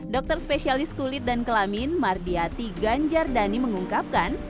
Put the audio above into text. dokter spesialis kulit dan kelamin mardiati ganjardani mengungkapkan